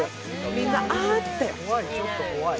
みんな、ああって。